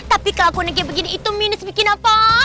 tapi kalau aku negeri begini itu minus bikin apa